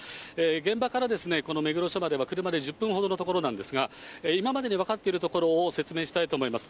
現場からこの目黒署までは車で１０分ほどの所なんですが、今までに分かっているところを説明したいと思います。